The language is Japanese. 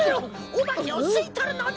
おばけをすいとるのだ！